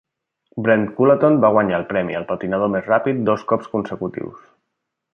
Brent Cullaton va guanyar el premi al patinador més ràpid dos cops consecutius.